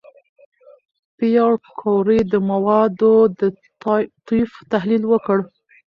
پېیر کوري د موادو د طیف تحلیل وکړ.